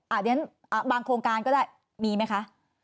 อันนี้บางโครงการก็ได้มีไหมคะ